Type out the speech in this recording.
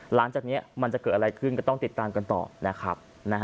หลังจากนี้มันจะเกิดอะไรขึ้นก็ต้องติดตามกันต่อนะครับ